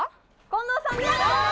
近藤さんです！